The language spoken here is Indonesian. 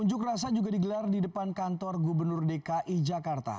unjuk rasa juga digelar di depan kantor gubernur dki jakarta